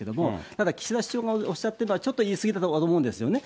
ただ、岸田首相がおっしゃっているのは、ちょっと言い過ぎだと思うんですよね。